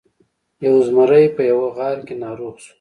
یو زمری په یوه غار کې ناروغ شو.